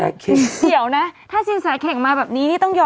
เดี๋ยวนะถ้าสิ้นแส่เข้งมาแบบนี้